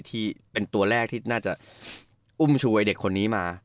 ที่เป็นตัวแรกที่น่าจะอุ้มชูไอ้เด็กคนนี้มา